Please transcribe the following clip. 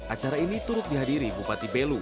acara ini turut dihadiri bupati belu